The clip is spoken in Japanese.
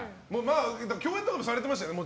共演とかもされてましたよね。